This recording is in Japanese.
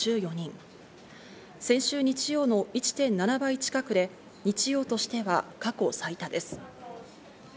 先週日曜の１．７倍近くで、日曜としては過去最多です。